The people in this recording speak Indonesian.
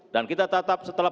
dan kita tetap setelah